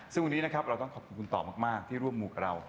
ซึ่งวันนี้นะครับเราต้องขอบคุณคุณต่อมากที่ร่วมหมู่กับเรา